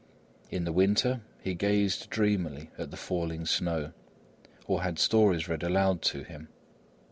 In the winter, he gazed dreamily at the falling snow, or had stories read aloud to him.